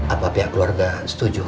apa pihak keluarga setuju